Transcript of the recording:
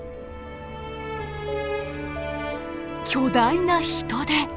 巨大なヒトデ！